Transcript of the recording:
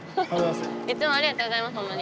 いつもありがとうございますほんまに。